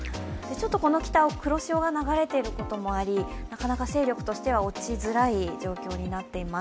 ちょっとこの北を黒潮が流れていることもありなかなか勢力としては落ちづらい状況になっています。